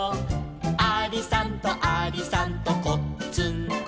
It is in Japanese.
「ありさんとありさんとこっつんこ」